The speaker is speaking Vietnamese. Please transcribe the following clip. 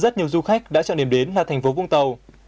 rất nhiều du khách đã chọn điểm đến là thành phố vũng tàu